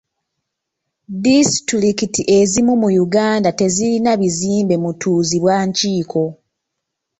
Disitulikiti ezimu mu Uganda tezirina bizimbe mutuuzibwa nkiiko.